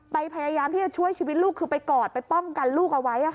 พยายามที่จะช่วยชีวิตลูกคือไปกอดไปป้องกันลูกเอาไว้